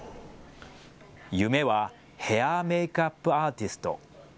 夢はヘアメークアップアーティスト。